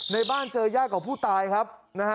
ในบ้านเจอยากของผู้ตายครับ